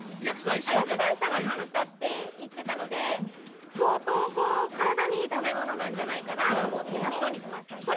薬剤師さんが作ったって言ってたので相当こう体にいい食べ物なんじゃないかなと思って納豆にしました